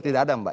tidak ada mbak